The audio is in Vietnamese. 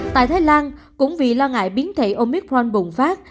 tại thái lan cũng vì lo ngại biến thể omicron bùng phát